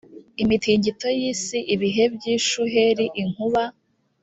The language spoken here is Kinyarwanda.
imitingito y isi ibihe by ishuheri inkuba